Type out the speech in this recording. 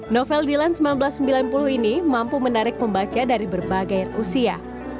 novel dilan seribu sembilan ratus sembilan puluh ini mampu menarik pembaca dari berbagai usia